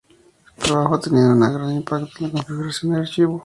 Su trabajo ha tenido un gran impacto en la configuración del archivo.